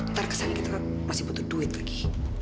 ntar kesan kita masih butuh duit lagi